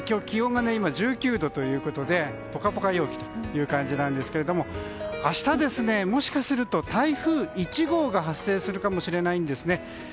気温が今１９度ということでポカポカ陽気という感じなんですけれども明日もしかすると台風１号が発生するかもしれないんですね。